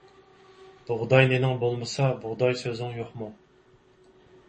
بۇغداي نېنىڭ بولمىسا، بۇغداي سۆزۈڭ يوقمۇ.